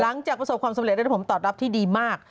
หลังจากประสบความสำเร็จได้ผลตอบรับที่ดีมาก